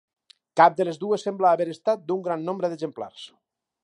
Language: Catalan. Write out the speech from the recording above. Cap de les dues sembla haver estat d'un gran nombre d'exemplars.